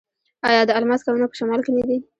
آیا د الماس کانونه په شمال کې نه دي؟